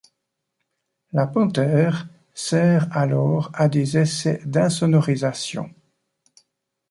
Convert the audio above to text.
La Panthère sert alors à des essais d’insonorisation.